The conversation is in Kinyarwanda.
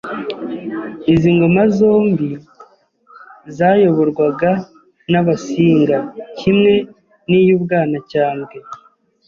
izi ngoma zombie zayoborwaga n'Abasinga (kimwe n'iy'u Bwanacyambwe